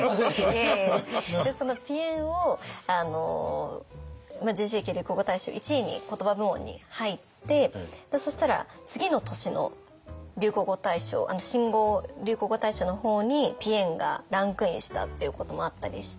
いやいやいやその「ぴえん」をＪＣ・ＪＫ流行語大賞１位にコトバ部門に入ってそしたら次の年の流行語大賞新語・流行語大賞の方に「ぴえん」がランクインしたっていうこともあったりして。